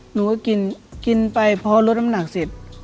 หนูก็กินกินไปพอลดน้ำหนักเสร็จ